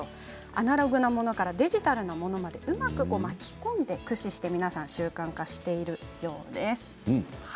アナログなものからデジタルなものまでうまく巻き込んでいきながらうまく習慣化しているようですね。